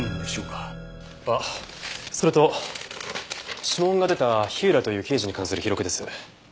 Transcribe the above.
あっそれと指紋が出た火浦という刑事に関する記録です。